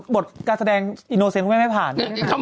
บทการแสดงอิโนเซนคุณแม่ไม่ผ่าน